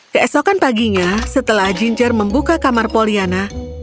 keesokan paginya setelah ginger membuka kamar pollyanna